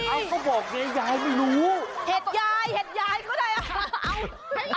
เอาก็บอกเนี้ยยายไม่รู้เห็ดยายเห็ดยายก็ได้เอา